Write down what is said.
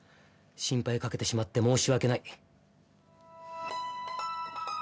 心配かけてしまって申し訳ない。